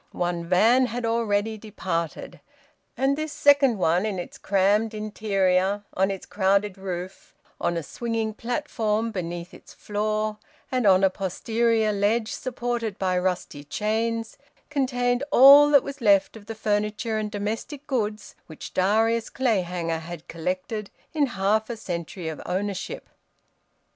One van had already departed, and this second one, in its crammed interior, on its crowded roof, on a swinging platform beneath its floor, and on a posterior ledge supported by rusty chains, contained all that was left of the furniture and domestic goods which Darius Clayhanger had collected in half a century of ownership.